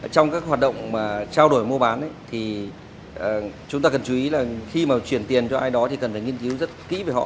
trong các hoạt động trao đổi mua bán chúng ta cần chú ý khi chuyển tiền cho ai đó thì cần nghiên cứu rất kỹ về họ